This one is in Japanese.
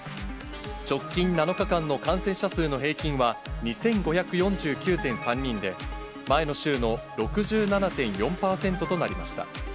直近７日間の感染者数の平均は、２５４９．３人で、前の週の６７．４％となりました。